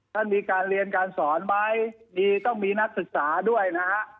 ท่านมีการเรียนการสอนไหมมีต้องมีนักศึกษาด้วยนะฮะ